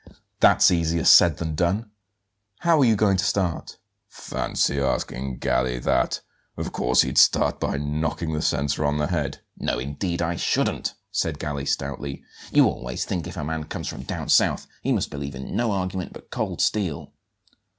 "That's easier said than done; how are you going to start?" "Fancy asking Galli that! Of course he'd start by knocking the censor on the head." "No, indeed, I shouldn't," said Galli stoutly. "You always think if a man comes from down south he must believe in no argument but cold steel."